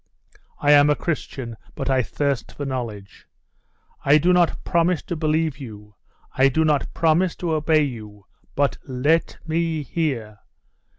I am a Christian; but I thirst for knowledge.... I do not promise to believe you I do not promise to obey you; but let me hear!